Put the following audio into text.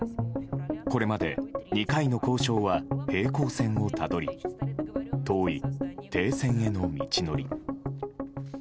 これまで２回の交渉は平行線をたどり遠い停戦への道のり。